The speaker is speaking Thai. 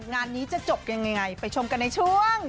งานนี้จะจบยังไงไปชมกันในช่วง